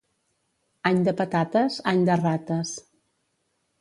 Any de patates, any de rates.